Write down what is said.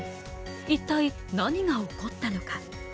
一体、何が起こったのか。